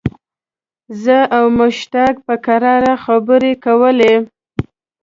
زه او مشتاق په کراره خبرې کولې.